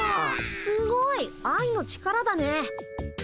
すごい愛の力だね。